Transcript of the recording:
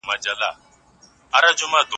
په اوبو کې حرکت د بدن ټولو برخو ته وینه رسوي.